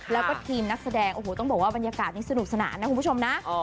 แล้วก็ทีมนักแสดงโอ้โหต้องบอกว่าบรรยากาศนี้สนุกสนานนะคุณผู้ชมนะ